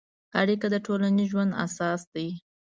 اړیکه د ټولنیز ژوند اساس دی.